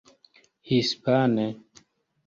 hispane